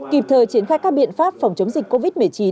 kịp thời triển khai các biện pháp phòng chống dịch covid một mươi chín